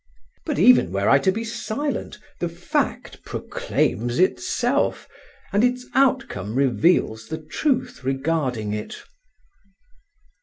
But even were I to be silent, the fact proclaims itself, and its outcome reveals the truth regarding it.